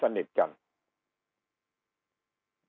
การสนับสนุนพักการเมือง